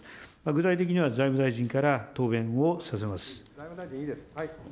具体的には財務大臣から答弁をさせます。